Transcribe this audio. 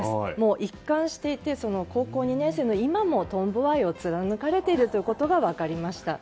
一貫していて高校２年生の今もトンボ愛を貫かれていることが分かりました。